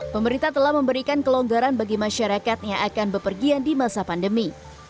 pemerintah telah memberikan kelonggaran bagi masyarakat yang akan bepergian di masa pandemi